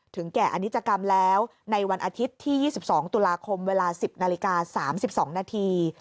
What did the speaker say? แก่อนิจกรรมแล้วในวันอาทิตย์ที่๒๒ตุลาคมเวลา๑๐นาฬิกา๓๒นาที